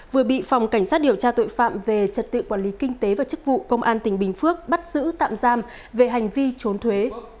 vừa bị phòng cảnh sát điều tra tội phạm về trật tự quản lý kinh tế và chức vụ công an tỉnh bình phước bắt giữ tạm giam về hành vi trốn thuế